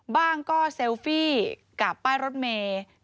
บ้างก็เซลฟี่กับป้ายรถเมย์